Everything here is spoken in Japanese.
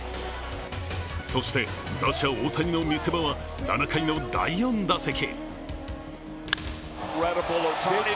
そして、打者・大谷の見せ場は７回の第４打席。